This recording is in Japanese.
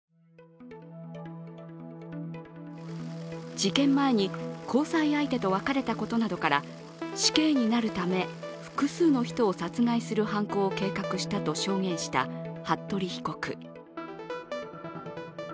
事件前に交際相手と別れたことなどから死刑になるため、複数の人を殺害する犯行を計画したと証言した服部被告。